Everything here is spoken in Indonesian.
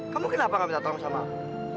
kamu kenapa kamu minta tolong sama aku